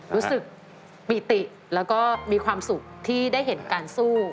รู้สึกปิติแล้วก็มีความสุขที่ได้เห็นการสู้